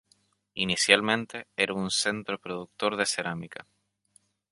Inicialmente era un centro productor de cerámica.